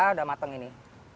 udah mateng ini